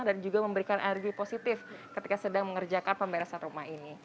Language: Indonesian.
dan juga memberikan energi positif ketika sedang mengerjakan pemberesan rumah ini